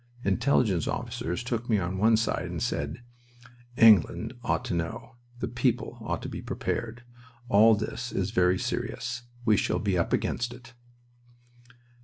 Intelligence officers took me on one side and said: "England ought to know. The people ought to be prepared. All this is very serious. We shall be 'up against it.'"